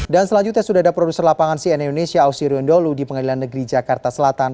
dan selanjutnya sudah ada produser lapangan cnn indonesia ausi riondolu di pengadilan negeri jakarta selatan